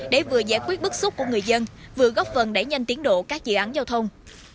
để vừa giải quyết bức xúc của người dân vừa góp phần đẩy nhanh tiến độ các dự án giao thông